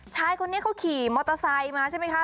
ชายคนนี้เขาขี่มอเตอร์ไซค์มาใช่ไหมคะ